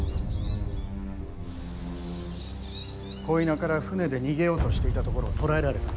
鯉名から舟で逃げようとしていたところを捕らえられた。